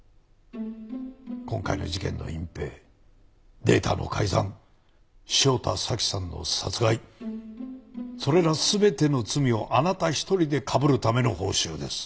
今回の事件の隠蔽データの改ざん汐田早紀さんの殺害それら全ての罪をあなた１人でかぶるための報酬です。